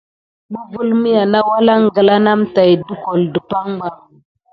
Məvel miha nayakela name nat de kole dipay ɓa.